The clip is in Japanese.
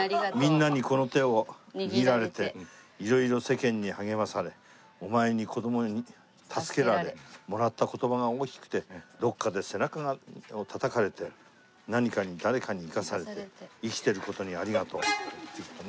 「みんなにこの手を握られていろいろ世間にはげまされお前に子供に助けられもらった言葉が大きくてどっかで背中を叩かれて何かに誰かに生かされて生きてる事にありがとう」っていう事でね。